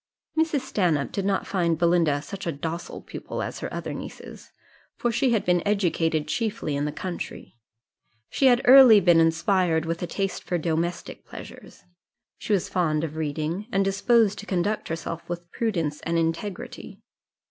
Mrs. Stanhope did not find Belinda such a docile pupil as her other nieces, for she had been educated chiefly in the country; she had early been inspired with a taste for domestic pleasures; she was fond of reading, and disposed to conduct herself with prudence and integrity.